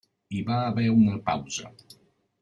Hi va haver una pausa.